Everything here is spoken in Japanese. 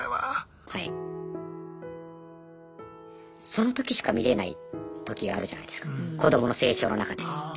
その時しか見れない時があるじゃないですか子どもの成長の中で。